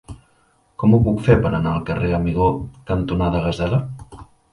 Com ho puc fer per anar al carrer Amigó cantonada Gasela?